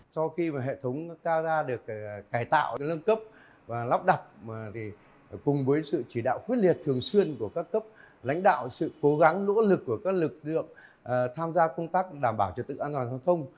sau khi hệ thống cao ra được cải tạo nâng cấp và lắp đặt cùng với sự chỉ đạo khuyết liệt thường xuyên của các cấp lãnh đạo sự cố gắng nỗ lực của các lực lượng tham gia công tác đảm bảo trật tự an toàn giao thông